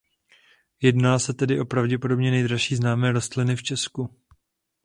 Jedná se tedy o pravděpodobně nejdražší známé rostliny v Česku.